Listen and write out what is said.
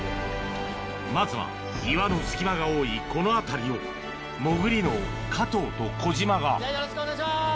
まずは岩の隙間が多いこの辺りを潜りの加藤と小島がよろしくお願いします！